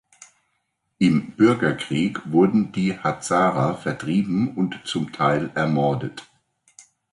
Im Bürgerkrieg wurden die Hazara vertrieben und zum Teil ermordet.